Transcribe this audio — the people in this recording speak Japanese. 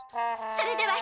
それでは。